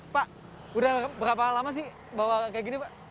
pak udah berapa lama sih bawa kayak gini pak